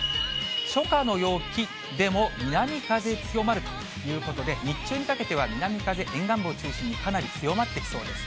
初夏の陽気でも南風強まるということで、日中にかけては南風、沿岸部を中心にかなり強まってきそうです。